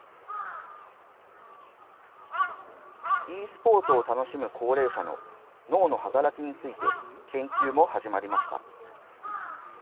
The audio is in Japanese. ｅスポーツを楽しむ高齢者の脳の働きについて、研究も始まりました。